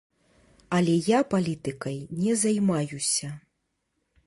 Але я палітыкай не займаюся.